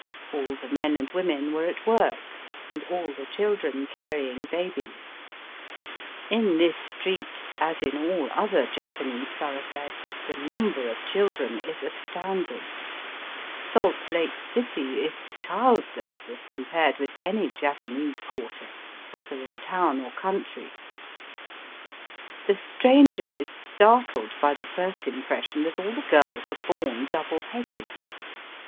All the men and women were at work, and aU the children carrying babies. In this street, as in all other Japanese thoroughfares, the number of children is as Digitized by VjOOQIC SOME JAPANESE TRAITS, 195 tounding. Salt Lake City is childless as compared with any Japanese quarter, whether in town or country. The stranger is startled by the first impression that all the girls are bom double headed.